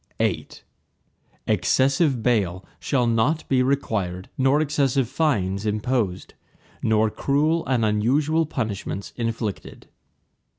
VIII Excessive bail shall not be required nor excessive fines imposed, nor cruel and unusual punishments inflicted.